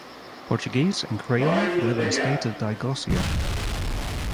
Portuguese and Creole live in a state of diglossia.